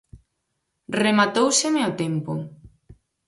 Rematóuseme o tempo.